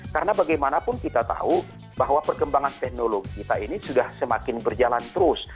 karena bagaimanapun kita tahu bahwa perkembangan teknologi kita ini sudah semakin berjalan terus